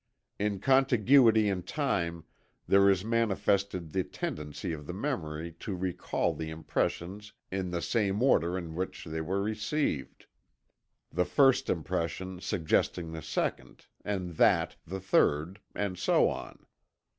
In contiguity in time there is manifested the tendency of the memory to recall the impressions in the same order in which they were received the first impression suggesting the second, and that the third, and so on.